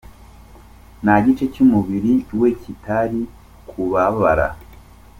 Nta gice cy'umubiri we kitari kubabara.